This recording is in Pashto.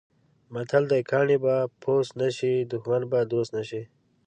متل دی: کاڼی به پوست نه شي، دښمن به دوست نه شي.